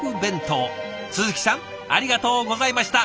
鈴木さんありがとうございました。